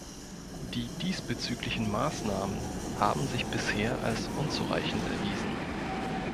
Die diesbezüglichen Maßnahmen haben sich bisher als unzureichend erwiesen.